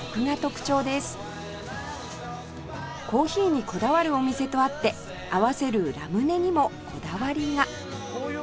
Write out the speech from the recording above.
コーヒーにこだわるお店とあって合わせるラムネにもこだわりが